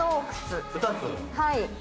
はい。